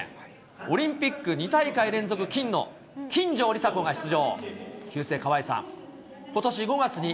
オリンピック２大会連続金の金城りさこが出場。